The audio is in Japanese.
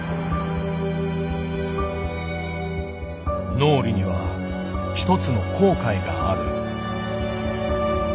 脳裏には一つの後悔がある。